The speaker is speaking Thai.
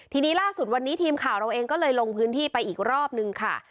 ทีนี้ล่าสุดวันนี้ทีมข่าวเราเองก็เลยลงพื้นที่ไปอีกรอบนึงค่ะ